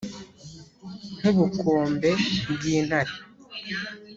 nk' ubukombe bw' intare